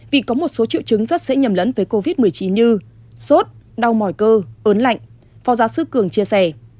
vì có một số triệu chứng rất dễ nhầm lẫn với covid một mươi chín như sốt đau mỏi cơ ớn lạnh phó giáo sư cường chia sẻ